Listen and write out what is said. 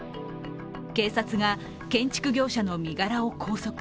警察が建築業者の身柄を拘束。